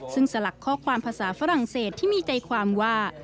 ซึ่งสลักข้อความภาษาฝรั่งเศสที่มีใจความว่า